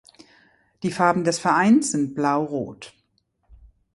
Die Farben des Vereins sind Blau-Rot.